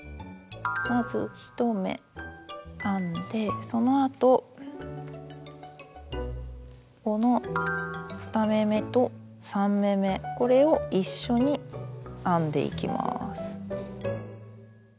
まず１目編んでそのあとこの２目めと３目めこれを一緒に編んでいきます。